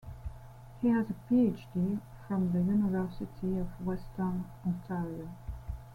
He has a PhD from the University of Western Ontario.